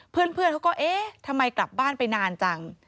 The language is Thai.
เพื่อนเขาก็เอ๊ะทำไมกลับบ้านไปนานจัง